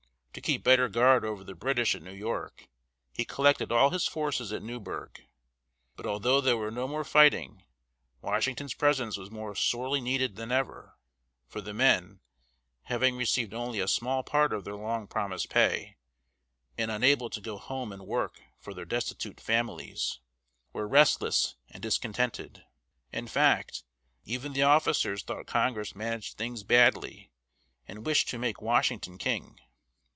To keep better guard over the British at New York, he collected all his forces at Newburgh. But although there was no more fighting, Washington's presence was more sorely needed than ever, for the men, having received only a small part of their long promised pay, and unable to go home and work for their destitute families, were restless and discontented. In fact, even the officers thought Congress managed things badly, and wished to make Washington king.